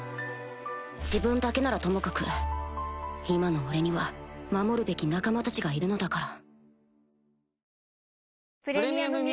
自分だけならともかく今の俺には守るべき仲間たちがいるのだから